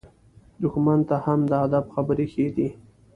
دښمن ته هم د ادب خبرې ښه دي.